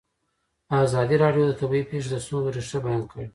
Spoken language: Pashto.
ازادي راډیو د طبیعي پېښې د ستونزو رېښه بیان کړې.